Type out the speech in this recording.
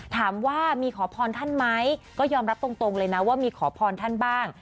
ถามว่ามีขอพรท่านไหมก็ยอมรับตรงเลยนะว่ามีขอพรท่านบ้าง